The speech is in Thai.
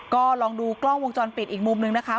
ก็ลองดูกล้องวงจรปิดอีกมุมนึงนะคะ